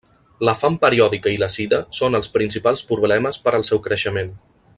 La fam periòdica i la sida són els principals problemes per al seu creixement.